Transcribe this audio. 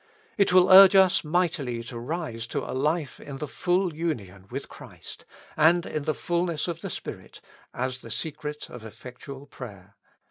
It will urge us mightily to rise to a life in the full union with Christ, and in the fulness of the Spirit, as the secret of eflfectual prayer.